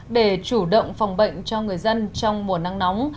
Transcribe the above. để chủ động phòng bệnh cho người dân trong mùa nắng nóng